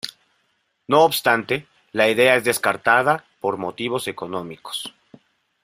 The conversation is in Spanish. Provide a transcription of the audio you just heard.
No obstante, la idea es descartada por motivos económicos.